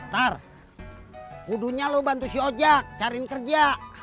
tar kudunya lu bantu si ojak cariin kerja